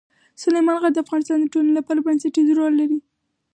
سلیمان غر د افغانستان د ټولنې لپاره بنسټيز رول لري.